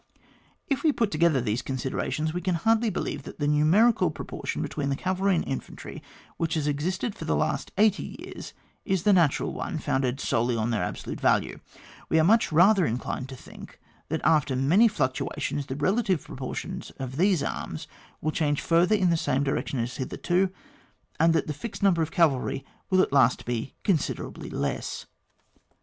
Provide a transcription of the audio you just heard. If we put together these considerations, we can hardly believe that the numerical proportion between cavalry and infantry which has existed for the last eighty years is the natural one, founded solely on their absolute value; we are much rather inclined to think, that after many fluctuations, the relative proportions of these arms will change further in the same direction as hitherto, and that the fixed number of cavalry at last will be considerably less.